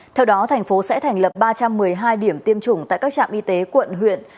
theo đó thành phố sẽ thành lập ba trăm một mươi hai điểm tiêm chủng tại các trạm y tế quận huyện